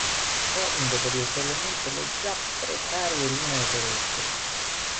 Ciò indebolì ulteriormente le già precarie linee tedesche.